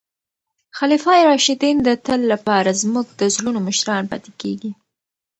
خلفای راشدین د تل لپاره زموږ د زړونو مشران پاتې کیږي.